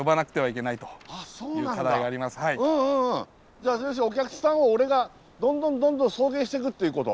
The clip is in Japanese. じゃあお客さんを俺がどんどんどんどん送迎していくってこと？